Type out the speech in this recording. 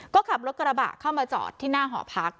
ก็ขับรถกระบะเข้ามาจอดที่หน้าหอพัก